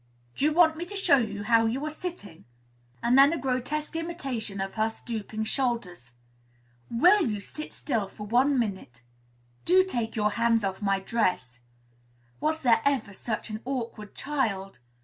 "Do you want me to show you how you are sitting?" and then a grotesque imitation of her stooping shoulders. "Will you sit still for one minute?" "Do take your hands off my dress." "Was there ever such an awkward child?"